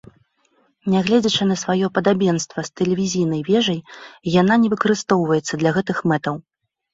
Нягледзячы на сваё падабенства з тэлевізійнай вежай, яна не выкарыстоўваецца для гэтых мэтаў.